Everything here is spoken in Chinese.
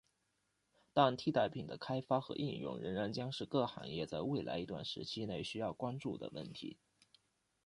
但替代品的开发和应用仍然将是各行业在未来一段时期内需要关注的问题。